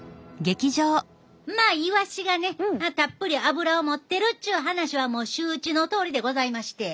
まあイワシがねたっぷり脂を持ってるっちゅう話はもう周知のとおりでございまして。